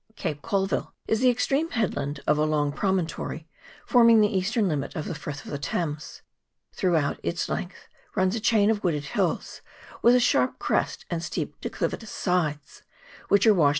Cape Colville is the extreme headland of a long promontory, forming the eastern limit of the Frith of the Thames ; throughout its length runs a chain of wooded hills, with a sharp crest and steep declivitous sides, which are washed 272 GULF OF HAURAKI. [PART II.